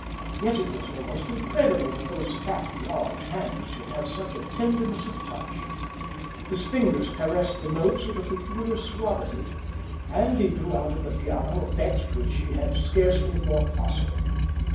Yet it was almost incredible that those fat, large hands should have such a tenderness of touch. His fingers caressed the notes with a peculiar suavity, and he drew out of the piano effects which she had scarcely thought possible.